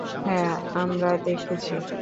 হ্যাঁ, আমরা দেখেছি।